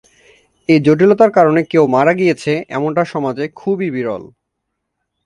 এই জটিলতার কারণে কেও মারা গিয়েছে, এমনটা সমাজে খুবই বিরল।